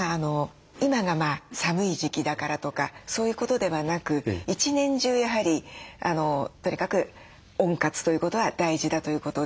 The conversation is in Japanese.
今が寒い時期だからとかそういうことではなく一年中やはりとにかく温活ということは大事だということですね。